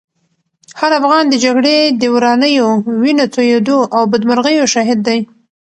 هر افغان د جګړې د ورانیو، وینو تویېدو او بدمرغیو شاهد دی.